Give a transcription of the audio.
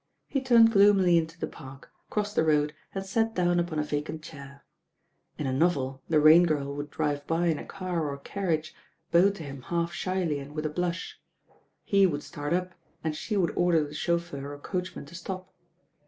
He turned gloomily into the Park, crossed the road and sat down upon a vacant chair. In a novel the Rain Girl would drive by m a car or carriage, bow to him half shyly and with a blush. He would start up and she would order the chauffeur or coachman to stop.